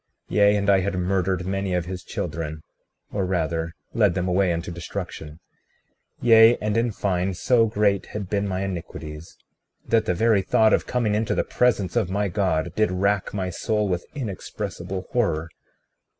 36:14 Yea, and I had murdered many of his children, or rather led them away unto destruction; yea, and in fine so great had been my iniquities, that the very thought of coming into the presence of my God did rack my soul with inexpressible horror.